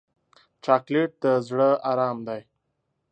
چاکلېټ د زړه ارام دی.